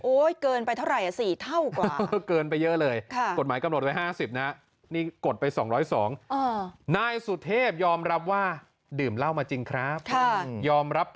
โอ้ยเกินไปเท่าไหร่อ่ะสิเท่ากว่า